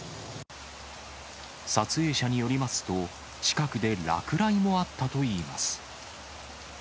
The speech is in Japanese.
撮影者によりますと、近くで落雷もあったといいます。